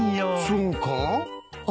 そうか？